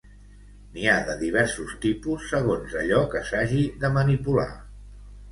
N'hi ha de diversos tipus segons allò que s'hagi de manipular.